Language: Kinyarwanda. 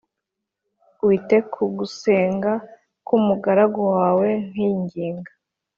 wite ku gusenga k’umugaragu wawe nkwinginga